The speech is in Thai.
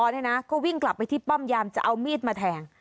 ก็วิ่งกลับไปที่ป้อมยามจะเอามีดมาแทง